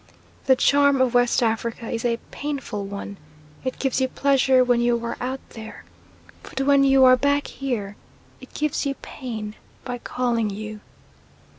The charm of West Africa is a painful one: it gives you pleasure when you are out there, but when you are back here it gives you pain by calling you.